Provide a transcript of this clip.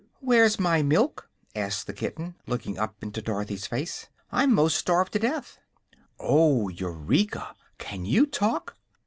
"Where's my milk?" asked the kitten, looking up into Dorothy's face. "I'm 'most starved to death." "Oh, Eureka! Can you talk?"